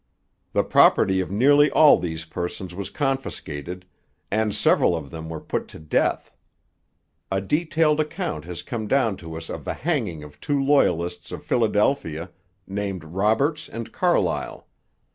The property of nearly all these persons was confiscated, and several of them were put to death. A detailed account has come down to us of the hanging of two Loyalists of Philadelphia named Roberts and Carlisle.